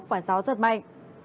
và gió rất mạnh